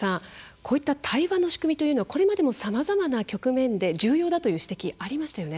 こういった対話の仕組みはこれまでも、さまざまな局面で重要だという指摘ありましたよね。